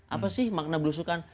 apa sih makna belusukan